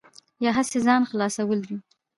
یا هسې ځان خلاصول دي.